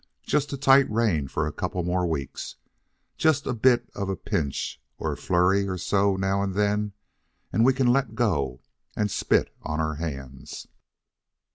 Just a tight rein for a couple more weeks, just a bit of a pinch or a flurry or so now and then, and we can let go and spit on our hands."